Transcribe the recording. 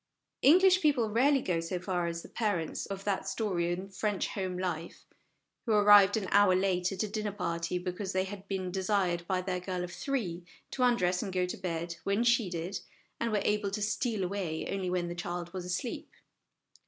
English people rarely go so far as the parents of that story in French Home Life, who arrived an hour late at a dinner party, because they had been desired by their girl of three to undress and go to bed when she did, and were able to steal away only when the child was asleep.